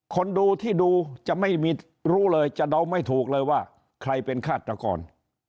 คนดูที่ดูจะไม่รู้เลยจะเดาไม่ถูกเลยว่าใครเป็นฆาตกร